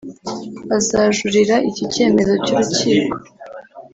azajuririra iki cyemezo cy’urukiko